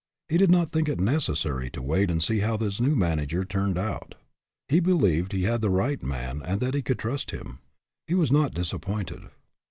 He did not think it necessary to wait and see how his new manager turned out. He believed he had the right man and that he could trust him. He was not disappointed.